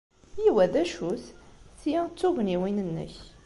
I wa d acu-t? Ti d tugniwin-nnek.